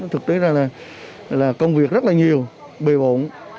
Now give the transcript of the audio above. thực tế là công việc rất là nhiều bề bộn